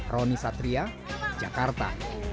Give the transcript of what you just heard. roni satria jakarta